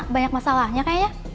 banyak masalahnya kayaknya